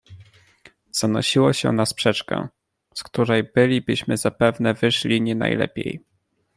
"Zanosiło się na sprzeczkę, z której bylibyśmy zapewne wyszli nie najlepiej."